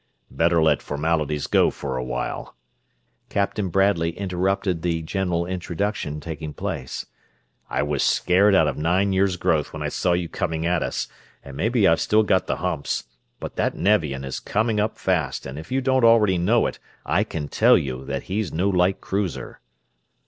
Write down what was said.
"Better let formalities go for a while," Captain Bradley interrupted the general introduction taking place. "I was scared out of nine years' growth when I saw you coming at us, and maybe I've still got the humps; but that Nevian is coming up fast, and if you don't already know it I can tell you that he's no light cruiser."